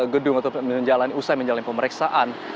gedung atau usai menjalani pemeriksaan